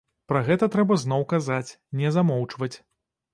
Пра гэта трэба зноў казаць, не замоўчваць.